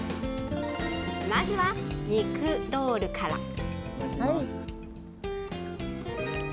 まずは肉ロールから。